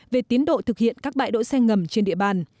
về tiến độ thực hiện các bãi đỗ xe ngầm trên địa bàn